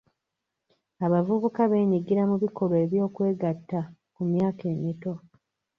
Abavubuka beenyigira mu bikolwa by'okwegatta ku myaka emito.